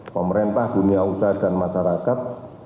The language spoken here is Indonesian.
pemerintah dunia usaha dan masyarakat